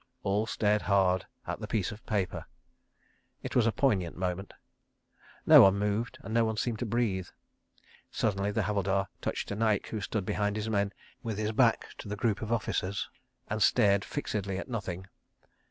All stared hard at the piece of paper. ... It was a poignant moment. ... No one moved and no one seemed to breathe. Suddenly the Havildar touched a Naik who stood behind his men, with his back to the group of officers, and stared fixedly at Nothing.